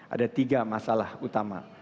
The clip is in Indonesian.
ada tiga masalah utama